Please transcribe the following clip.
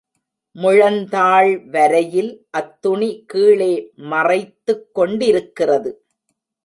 முழந்தாள் வரையில் அத்துணி கீழே மறைத்துக்கொண்டிருக்கிறது.